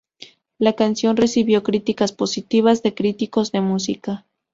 La canción recibió críticas positivas de críticos de música.